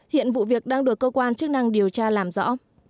hiện vụ việc đang được cơ quan chức năng điều tra làm rõ